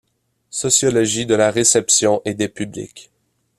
Sociologie de la réception et des publics.